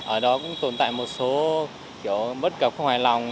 ở đó cũng tồn tại một số kiểu bất cập hoài lòng